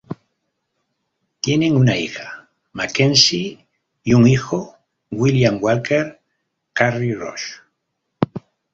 Tienen una hija, McKenzie, y un hijo, William Walker Curry Ross.